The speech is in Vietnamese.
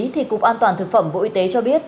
thì cục an toàn thực phẩm bộ y tế cho biết